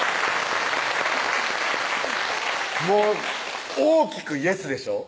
もう大きく「イエス！」でしょ？